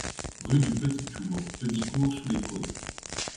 Rue du Petit Tour, Heudicourt-sous-les-Côtes